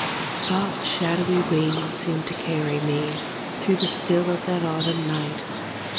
Soft, shadowy wings seem to carry me Through the still of that autumn night.